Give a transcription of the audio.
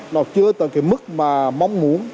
nó chưa tới cái mức mà mong muốn